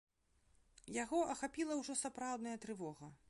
Яго ахапіла ўжо сапраўдная трывога.